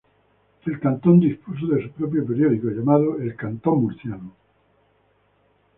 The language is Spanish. El Cantón dispuso de su propio periódico, llamado "El Cantón Murciano".